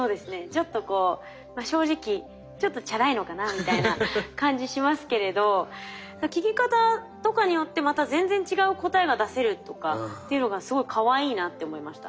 ちょっとこう正直ちょっとチャラいのかなみたいな感じしますけれど聞き方とかによってまた全然違う答えが出せるとかっていうのがすごいかわいいなって思いました。